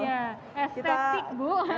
nah iya estetik bu